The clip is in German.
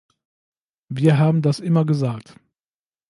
Wir haben das immer gesagt.